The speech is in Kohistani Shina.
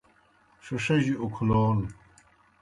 ݜِݜجیْ اُکھلون